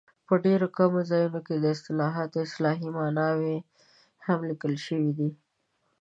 په ډېرو کمو ځایونو کې د اصطلاحاتو اصطلاحي ماناوې هم لیکل شوي دي.